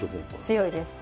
強いです。